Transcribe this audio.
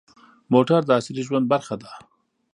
موټر د عصري ژوند برخه ده.